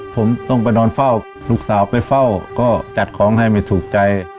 ผมต้องไปนอนเฝ้าลูกสาวไปเฝ้าก็จัดของให้ไม่ถูกใจ